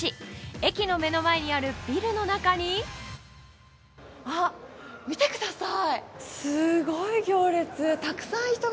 駅の目の前にあるビルの中に見てください。